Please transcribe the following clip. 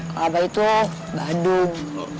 kalau abah itu badung